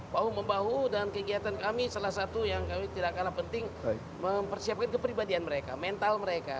bahu membahu dan kegiatan kami salah satu yang kami tidak kalah penting mempersiapkan kepribadian mereka mental mereka